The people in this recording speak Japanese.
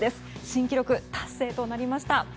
新記録達成となりました。